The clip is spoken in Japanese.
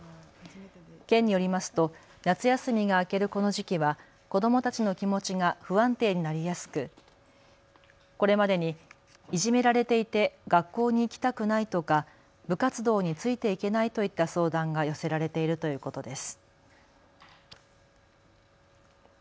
県によりますと夏休みが明けるこの時期は子どもたちの気持ちが不安定になりやすくこれまでに、いじめられていて学校に行きたくないとか部活動についていけないといった相談が寄せられているということです。